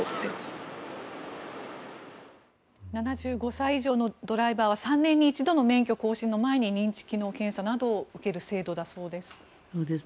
７５歳以上のドライバーは３年に一度の免許更新の前に認知機能検査などを受ける制度だそうです。